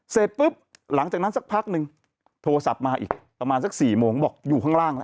เสร็จปุ๊บหลังจากนั้นสักพักนึงโทรศัพท์มาอีกประมาณสัก๔โมงบอกอยู่ข้างล่างแล้ว